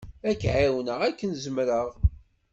Ad k-εawneɣ akken zemreɣ.